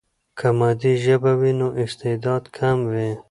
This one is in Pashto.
که مادي ژبه وي، نو استعداد کم وي.